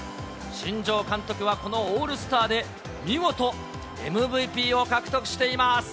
新庄監督は、このオールスターで見事、ＭＶＰを獲得しています。